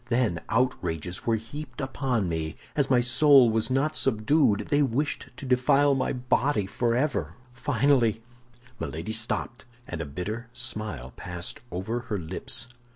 Then outrages were heaped upon me, and as my soul was not subdued they wished to defile my body forever. Finally—" Milady stopped, and a bitter smile passed over her lips.